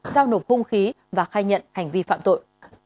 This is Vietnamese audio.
giao nộp hung khí và khai nhận hành vi phạm tội